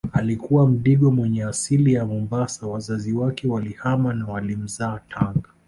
Alikuwa mdigo mwenye asili ya Mombasa wazazi wake walihama na walimzaa Tanga